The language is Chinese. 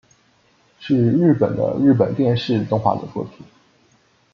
是日本的日本电视动画的作品。